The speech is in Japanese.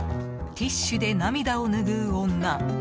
ティッシュで涙を拭う女。